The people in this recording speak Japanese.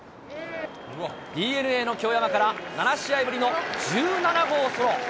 ＤｅＮＡの京山から７試合ぶりの１７号ソロ。